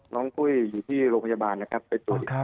น้องปุ้ยอยู่ที่โรงพยาบาลนะครับ